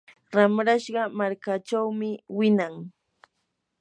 ramrashqa markaachawmi winan.